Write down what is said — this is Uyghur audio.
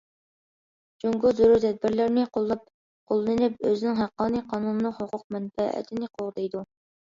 جۇڭگو زۆرۈر تەدبىرلەرنى قوللىنىپ، ئۆزىنىڭ ھەققانىي قانۇنلۇق ھوقۇق- مەنپەئەتىنى قوغدايدۇ.